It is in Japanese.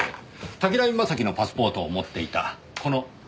滝浪正輝のパスポートを持っていたこの男です。